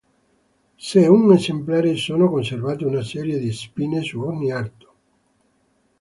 Su un esemplare sono conservate una serie di spine su ogni arto.